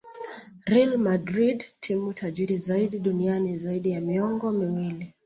real madrid ndio timu tajiri zaidi duniani zaidi ya miongo miwili